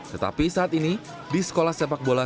tetapi saat ini di sekolah sepak bola